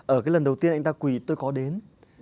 ở cái lần đầu tiên anh ta quỳ tôi có đến